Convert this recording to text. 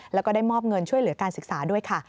แล้วก็ได้มอบเงินช่วยเหลือการศึกษาด้วยค่ะ